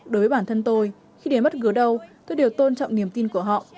đối với bản thân tôi khi đến mất gứa đầu tôi đều tôn trọng niềm tin của họ